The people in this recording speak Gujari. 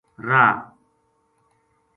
راہ